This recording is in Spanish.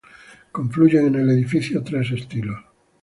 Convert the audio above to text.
Confluyen en el edificio tres estilos.